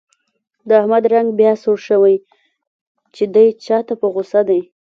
د احمد رنګ بیا سور شوی، چې دی چا ته په غوسه دی.